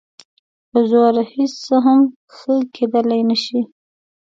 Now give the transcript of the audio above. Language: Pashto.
په زور سره هېڅ څه هم ښه کېدلی نه شي.